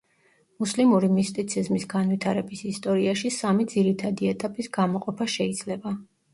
მუსლიმური მისტიციზმის განვითარების ისტორიაში სამი ძირითადი ეტაპის გამოყოფა შეიძლება.